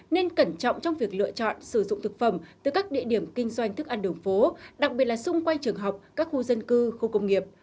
nên cẩn trọng trong việc lựa chọn sử dụng thực phẩm từ các địa điểm kinh doanh thức ăn đường phố đặc biệt là xung quanh trường học các khu dân cư khu công nghiệp